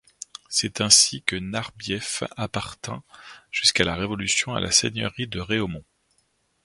C'est ainsi que Narbief appartint jusqu'à la Révolution à la seigneurie de Réaumont.